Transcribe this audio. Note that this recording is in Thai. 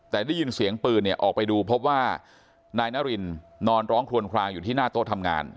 แต่ได้ยินเสียงปืนเนี่ยออกไปดูพบว่านายนารินนอนร้องคลวนคลางอยู่ที่หน้าโต๊ะทำงาน